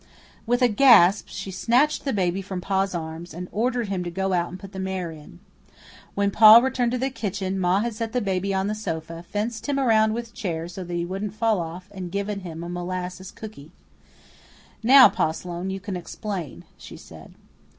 With a gasp she snatched the baby from Pa's arms, and ordered him to go out and put the mare in. When Pa returned to the kitchen Ma had set the baby on the sofa, fenced him around with chairs so that he couldn't fall off and given him a molassed cooky. "Now, Pa Sloane, you can explain," she said.